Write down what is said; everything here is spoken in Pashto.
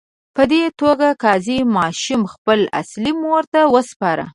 په دې توګه قاضي ماشوم خپلې اصلي مور ته وسپاره.